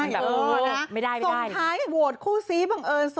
สำค้ายโหวตเหมือนโหวตคู่ซีบบังเอิญ